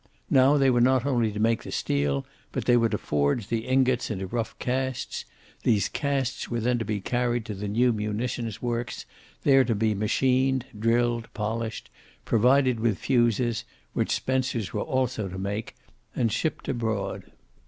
Now, they were not only to make the steel, but they were to forge the ingots into rough casts; these casts were then to be carried to the new munition works, there to be machined, drilled, polished, provided with fuses, which "Spencer's" were also to make, and shipped abroad.